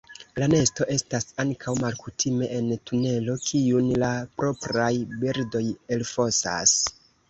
La nesto estas ankaŭ malkutime en tunelo kiun la propraj birdoj elfosas.